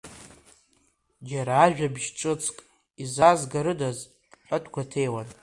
Џьара жәабжь ҿыцк изаазгарыдаз ҳәа, дгәаҭеиуан.